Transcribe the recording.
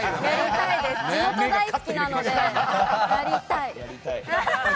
地元大好きなのでやりたい！